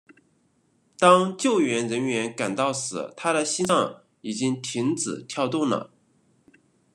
当救援人员赶到时他的心脏已经停止跳动了。